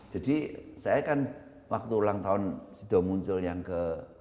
jadi saya kan waktu ulang tahun sudah muncul yang ke lima puluh